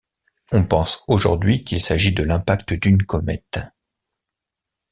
On pense aujourd'hui qu'il s'agit de l'impact d'une comète.